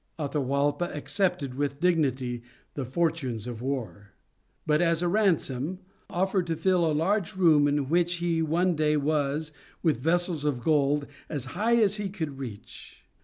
Atahualpa accepted with dignity the fortunes of war; and as a ransom offered to fill a large room in which he one day was, with vessels of gold, as high as he could reach.